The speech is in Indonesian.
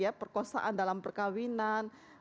ya perkosaan dalam perkawinan